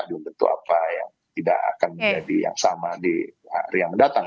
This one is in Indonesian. belum tentu apa yang tidak akan menjadi yang sama di hari yang mendatang